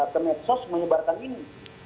ke nexos menyebarkan ini